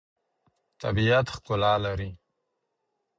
طبیعت ښکلا لري.